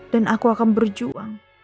dan aku akan berjuang